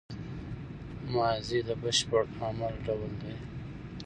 ماضي د بشپړ عمل ډول دئ.